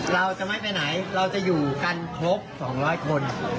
เราจะไม่ไปไหนเราจะอยู่กันครบ๒๐๐คน